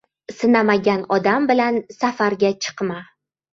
— Sinamagan odam bilan safarga chiqma.